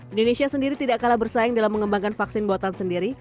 indonesia sendiri tidak kalah bersaing dalam mengembangkan vaksin buatan sendiri